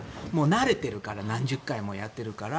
慣れてるから何十回もやってるから。